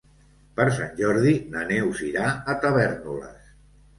Per Sant Jordi na Neus irà a Tavèrnoles.